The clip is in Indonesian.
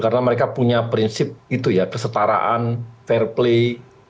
karena mereka punya prinsip itu ya kesetaraan fair play